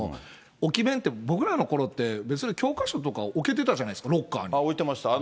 置き弁って、僕らのころって、別に教科書とか、置けてたじゃない置いてました。